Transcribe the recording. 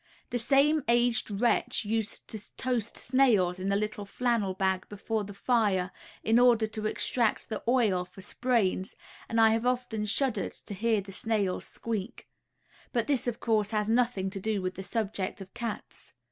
The same aged wretch used to toast snails in a little flannel bag before the fire, in order to extract the oil for sprains, and I have often shuddered to hear the snails squeak; but this of course has nothing to do with the subject of cats.